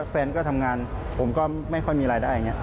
แฟนก็ทำงานผมก็ไม่ค่อยมีรายได้อย่างนี้